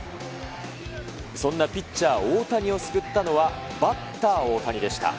そんなピッチャー・大谷を救ったのは、バッター・大谷でした。